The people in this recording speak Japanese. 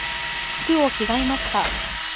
服を着替えました。